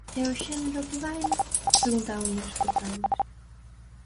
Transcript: É o xénero o que baila?, preguntaba un dos espectadores.